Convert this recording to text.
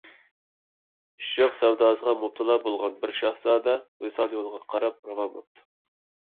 ئىشق سەۋداسىغا مۇپتىلا بولغان بىر شاھزادە ۋىسال يولىغا قاراپ راۋان بوپتۇ.